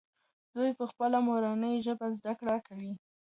دوی په خپله مورنۍ ژبه زده کړه کوي.